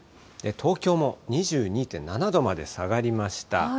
東京も２２．７度まで下がりました。